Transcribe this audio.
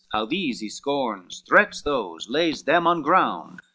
How these he scorns, threats those, lays them on ground?